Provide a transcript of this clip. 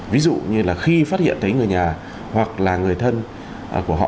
ví dụ như là khi phát hiện thấy người nhà hoặc là người thân của họ